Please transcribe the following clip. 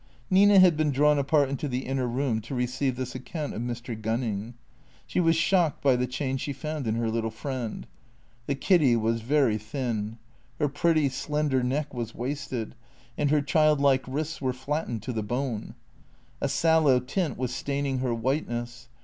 Nina had been drawn apart into the inner room to receive this account of Mr. Gunning. She was shocked by the change she found in her little friend. The Kiddy was very thin. Her pretty, slender neck was wasted, and her child like wrists were flattened to tlie bone. A sallow tint was staining her whiteness.